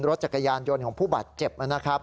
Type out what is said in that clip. รถจักรยานยนต์ของผู้บาดเจ็บนะครับ